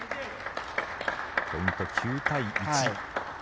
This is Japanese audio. ポイント、９対１。